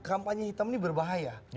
kampanye hitam ini berbahaya